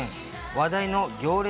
話題の行列